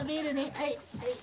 はい。